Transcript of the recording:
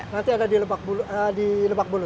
nanti ada di lebak bulu